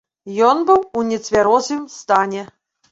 Ён быў у нецвярозым стане.